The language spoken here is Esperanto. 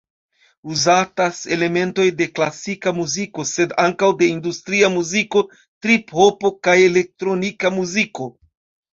Uzatas elementoj de klasika muziko, sed ankaŭ de industria muziko, trip-hopo kaj elektronika muziko.